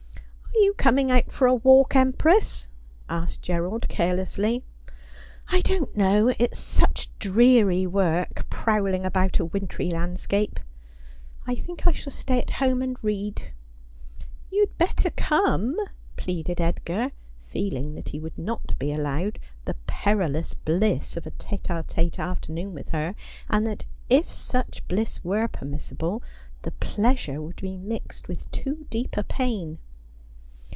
' Are you coming out for a walk. Empress ?' asked Gerald carelessly. ' I don't know. It's such dreary work prowling about a wintry landscape. I think I shall stay at home and read.' ' You'd better come,' pleaded Edgar, feeling that he would not be allowed the perilous bliss of a tele d tete afternoon with her, and that, if such bliss were permissible, the pleasure would be mixed with too deep a pain.